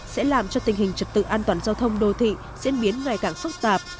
sẽ làm cho tình hình trật tự an toàn giao thông đô thị diễn biến ngày càng phức tạp